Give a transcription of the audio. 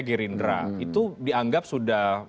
girindra itu dianggap sudah